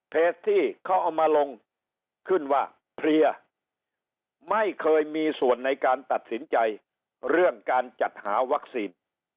ที่เขาเอามาลงขึ้นว่าเพลียไม่เคยมีส่วนในการตัดสินใจเรื่องการจัดหาวัคซีน